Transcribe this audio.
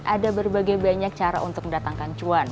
ada berbagai banyak cara untuk mendatangkan cuan